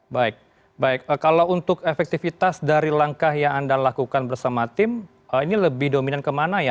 baik baik kalau untuk efektivitas dari langkah yang anda lakukan bersama tim ini lebih dominan kemana ya